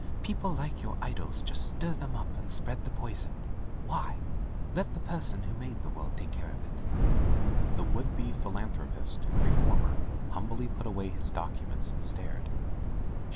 Peo ple like your idol just stir them up and spread the poison. Why ? Let the Person who made the world take care of it." The would be philanthropist and reformer humbly put away his documents and stared.